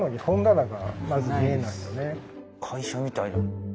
会社みたいな。